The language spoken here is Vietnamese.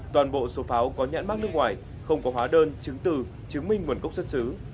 toàn bộ số pháo có nhãn mắc nước ngoài không có hóa đơn chứng từ chứng minh nguồn gốc xuất xứ